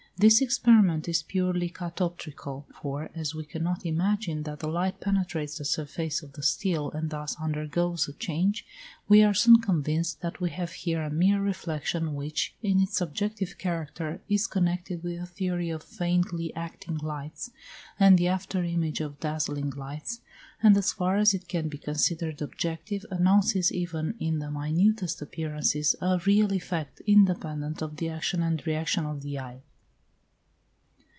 This experiment is purely catoptrical; for as we cannot imagine that the light penetrates the surface of the steel, and thus undergoes a change, we are soon convinced that we have here a mere reflection which, in its subjective character, is connected with the theory of faintly acting lights, and the after image of dazzling lights, and as far as it can be considered objective, announces even in the minutest appearances, a real effect, independent of the action and reaction of the eye.